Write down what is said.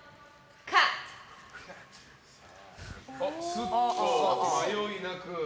スッと迷いなく。